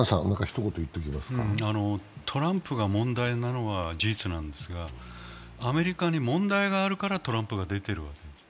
トランプが問題なのは事実なんですが、アメリカに問題があるからトランプが出てるわけ。